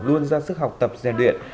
luôn ra sức học tập giàn đuyện